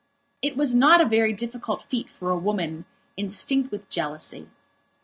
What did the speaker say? It was not a very difficult feat for a woman instinct with jealousy.